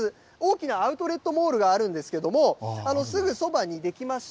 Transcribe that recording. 大きなアウトレットモールがあるんですけれども、すぐそばに出来ました、